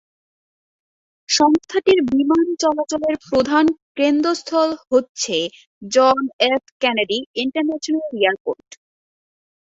সংস্থাটির বিমান চলাচলের প্রধান কেন্দ্রস্থল হচ্ছে John F Kennedy international airport.